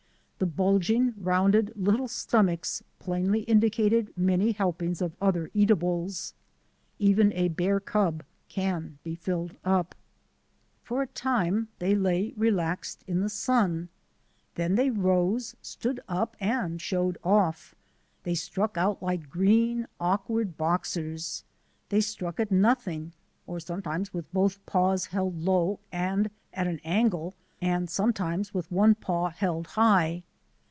The bulging, rounded little stomachs plainly indicated many helpings of other eatables. Even a bear cub can be filled up. For a time they lay relaxed in the sun. Then 40 THE ADVENTURES OF A NATURE GUIDE they rose, stood up, and showed off. They struck out like green, awkward boxers. They struck at nothing or sometimes with both paws held low and at an angle, and sometimes with one paw held high.